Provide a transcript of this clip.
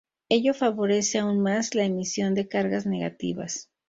Ello favorece aún más la emisión de cargas negativas.